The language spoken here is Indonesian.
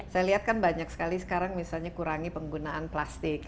saya lihat kan banyak sekali sekarang misalnya kurangi penggunaan plastik